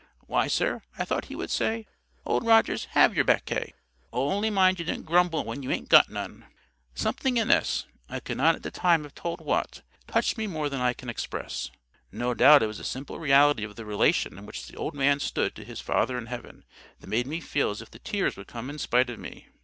"Why, sir, I thought He would say, 'Old Rogers, have yer baccay; only mind ye don't grumble when you 'aint got none.'" Something in this—I could not at the time have told what—touched me more than I can express. No doubt it was the simple reality of the relation in which the old man stood to his Father in heaven that made me feel as if the tears would come in spite of me.